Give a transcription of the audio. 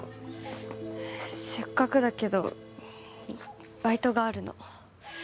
せっかくだけどバイトがあるの。